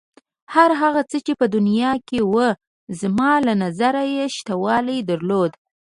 هر هغه څه چې په دنیا کې و زما له نظره یې شتوالی درلود.